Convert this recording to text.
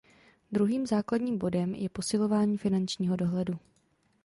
Druhým základním bodem je posilování finančního dohledu.